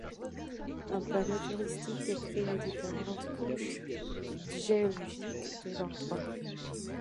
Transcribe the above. Un panneau touristique décrit les différentes couches géologiques de l'endroit.